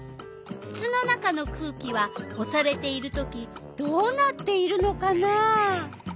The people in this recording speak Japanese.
つつの中の空気はおされているときどうなっているのかな？